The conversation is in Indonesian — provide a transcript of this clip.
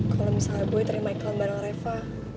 kalau misalnya gue terima iklan bareng reva